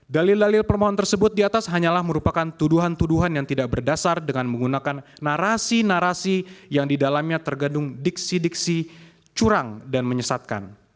dalil dalil permohonan tersebut di atas hanyalah merupakan tuduhan tuduhan yang tidak berdasar dengan menggunakan narasi narasi yang didalamnya tergandung diksi diksi curang dan menyesatkan